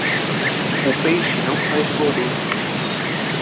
O peixe não faz gordura.